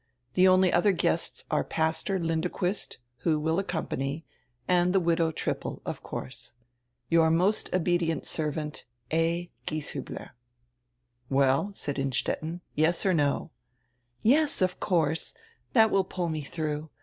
The only other guests are Pastor Lindequist, who will accompany, and the widow Trippel, of course. Your most obedient servant. A. Gieshiibler." "Well," said Innstetten, "yes or no?" "Yes, of course. That will pull me through.